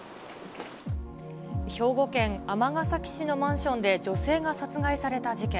兵庫県尼崎市のマンションで女性が殺害された事件。